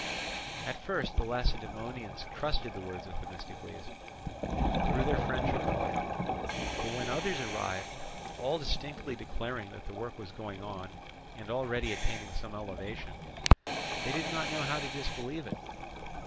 At first the Lacedaemonians trusted the words of Themistocles, through their friendship for him; but when others arrived, all distinctly declaring that the work was going on and already attaining some elevation, they did not know how to disbelieve it.